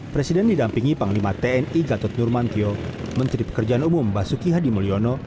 presiden didampingi panglima tni gatot nurmantio menteri pekerjaan umum basuki hadi mulyono